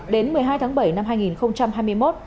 đến một mươi hai tháng bảy năm hai nghìn hai mươi một